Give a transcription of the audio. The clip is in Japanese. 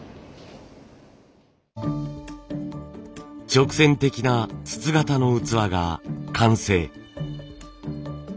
直線的な筒形の器が完成。